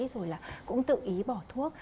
rồi là cũng tự ý bỏ thuốc